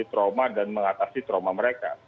trauma dan mengatasi trauma mereka